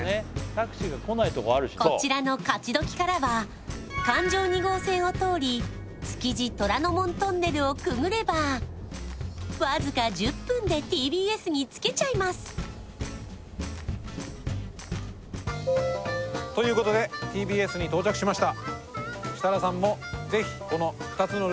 こちらの勝どきからは環状２号線を通り築地虎ノ門トンネルをくぐればわずか１０分でＴＢＳに着けちゃいますということでよろしくお願いします